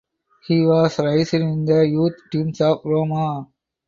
He was raised in the youth teams of Roma.